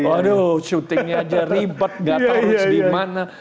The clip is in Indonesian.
aduh syutingnya aja ribet gak tau dimana